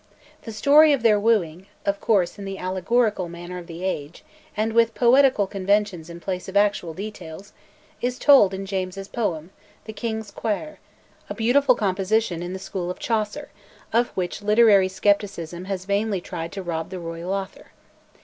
The story of their wooing (of course in the allegorical manner of the age, and with poetical conventions in place of actual details) is told in James's poem, "The King's Quair," a beautiful composition in the school of Chaucer, of which literary scepticism has vainly tried to rob the royal author.